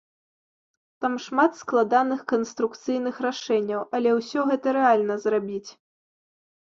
Там шмат складаных канструкцыйных рашэнняў, але ўсё гэта рэальна зрабіць.